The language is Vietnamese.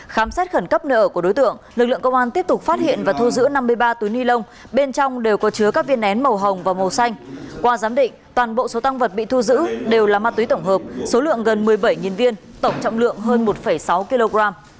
khám xét khẩn cấp nợ của đối tượng lực lượng công an tiếp tục phát hiện và thu giữ năm mươi ba túi ni lông bên trong đều có chứa các viên nén màu hồng và màu xanh qua giám định toàn bộ số tăng vật bị thu giữ đều là ma túy tổng hợp số lượng gần một mươi bảy viên tổng trọng lượng hơn một sáu kg